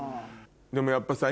でもやっぱさ